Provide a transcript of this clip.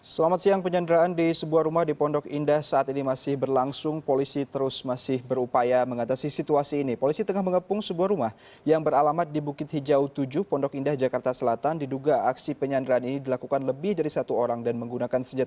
cnn indonesia breaking news